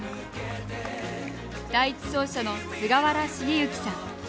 第１走者の菅原繁幸さん。